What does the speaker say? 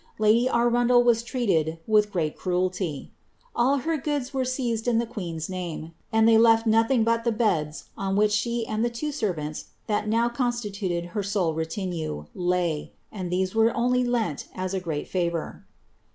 Lfsdy Arundel was treated with grreat cruelty. All ere seized in the queen's name, and they left her nothing I on which she and the two servants, that now constituted lue, lay, and these were only lent as a great farour.